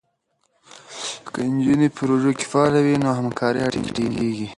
که نجونې په پروژو کې فعاله وي، نو همکارۍ اړیکې ټینګېږي.